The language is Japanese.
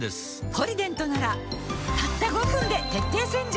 「ポリデント」ならたった５分で徹底洗浄